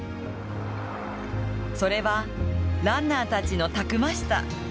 それはランナーたちのたくましさ。